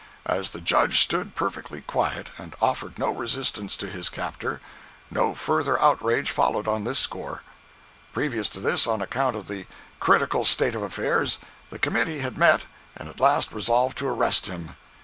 As the judge stood perfectly quiet, and offered no resistance to his captor, no further outrage followed on this score. Previous to this, on account of the critical state of affairs, the committee had met, and at last resolved to arrest him.